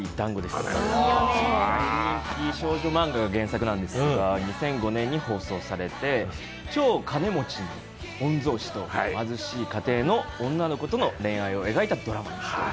人気少女漫画が原作なんでずか、２００５年に放送されて超金持ちの御曹司と貧しい家庭の女の子との恋愛を描いたドラマです。